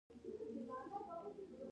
علم باید له عمل سره مل وي.